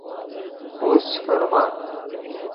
خوست چے فرما